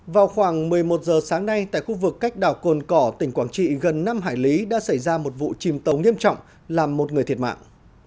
vào khoảng một mươi một giờ sáng nay tại khu vực cách đảo cồn cỏ tỉnh quảng trị gần năm hải lý đã xảy ra một vụ chìm tàu nghiêm trọng làm một người thiệt mạng